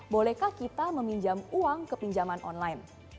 bolehkah kita meminjam uang ke pinjaman online